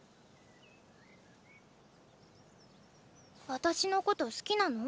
私のこと好きなの？